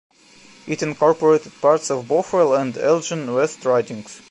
It incorporated parts of Bothwell and Elgin West ridings.